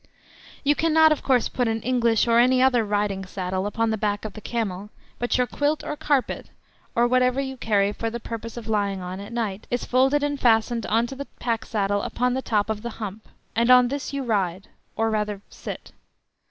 You cannot, of course, put an English or any other riding saddle upon the back of the camel, but your quilt or carpet, or whatever you carry for the purpose of lying on at night, is folded and fastened on to the pack saddle upon the top of the hump, and on this you ride, or rather sit.